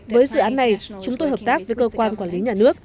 với dự án này chúng tôi hợp tác với cơ quan quản lý nhà nước